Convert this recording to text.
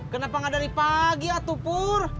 kenapa ga dari pagi atu pur